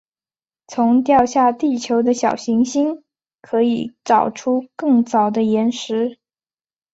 从掉下地球的小行星可以找出更早的岩石。